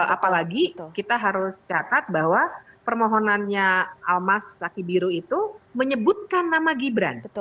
apalagi kita harus catat bahwa permohonannya almas saki biru itu menyebutkan nama gibran